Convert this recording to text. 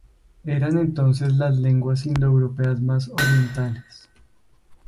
Eran entonces las lenguas indoeuropeas más orientales.